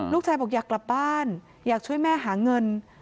ลูกชายบอกอยากกลับบ้านอยากช่วยแม่หาเงิน